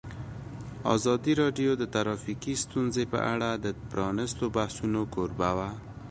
ازادي راډیو د ټرافیکي ستونزې په اړه د پرانیستو بحثونو کوربه وه.